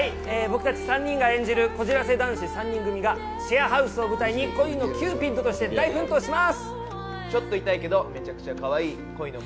僕たち３人が演じる、こじらせ男子３人組がシェアハウスを舞台に恋のキューピットとして大奮闘します。